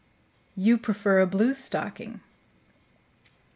"You prefer a bluestocking."